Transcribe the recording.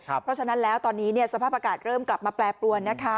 เพราะฉะนั้นแล้วตอนนี้สภาพอากาศเริ่มกลับมาแปรปรวนนะคะ